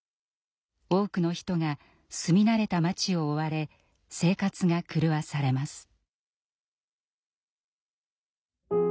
多くの人が住み慣れた町を追われ生活が狂わされます。